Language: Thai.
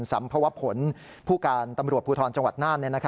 สำเพราะผลผู้การตำรวจภูทรจังหวัดนาน